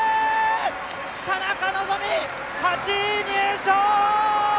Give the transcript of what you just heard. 田中希実、８位入賞！